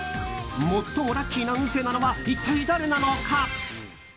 最もラッキーな運勢なのは一体誰なのか。